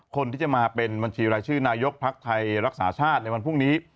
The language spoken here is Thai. คนที่จะมาเป็นบัญชีรายชื่อนายกภักดิ์ไทยรักษาชาติในวันพรุ่งนี้